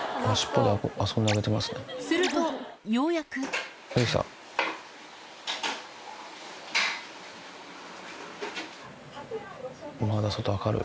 するとようやくまだ外明るい。